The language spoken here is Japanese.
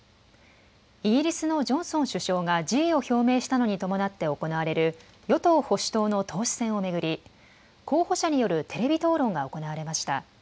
イギリスのジョンソン首相が辞意を表明したのに伴って行われる与党・保守党の党首選を巡り候補者によるテレビ討論が行われました。